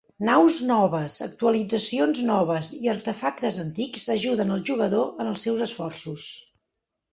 Naus noves, actualitzacions noves i artefactes antics ajuden el jugador en els seus esforços.